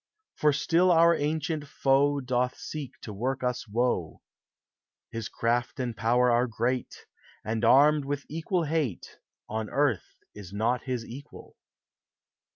For still our ancient foe Doth seek to work us woe; His craft and power are great, And, armed with equal hate, On earth is not his equal.